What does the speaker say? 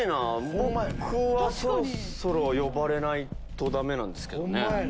僕はそろそろ呼ばれないとダメなんですけどね。